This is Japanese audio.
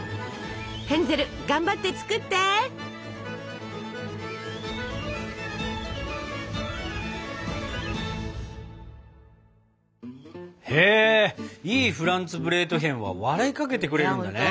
ヘンゼル頑張って作って！へいいフランツブレートヒェンは笑いかけてくれるんだね。